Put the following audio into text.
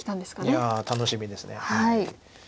いや楽しみです。